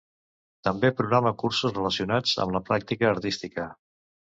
També programa cursos relacionats amb la pràctica artística.